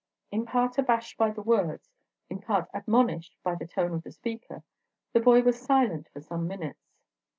In part abashed by the words, in part admonished by the tone of the speaker, the boy was silent for some minutes.